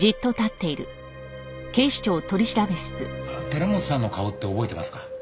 寺本さんの顔って覚えてますか？